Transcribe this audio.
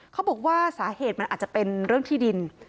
เขาบอกว่าสาเหตุมันอาจจะเป็นเรื่องที่ดิน